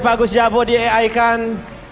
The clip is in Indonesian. pak agus jabo di ai kan